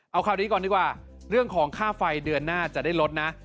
เอาคราวนี้ก่อนดีกว่าเรื่องของค่าไฟเดือนหน้าจะได้ลดนะ